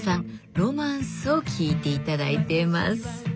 「ロマンス」を聴いて頂いています。